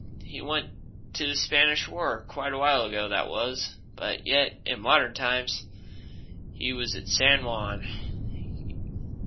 He went to the Spanish War quite awhile ago that was, but yet in modern times and he was at San Juan.